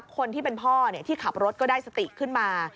คนที่เป็นพ่อที่ขับรถก็ได้สติขึ้นมา